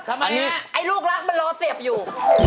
ทำไมนะไอ้ลูกรักมันรอเศฟอยู่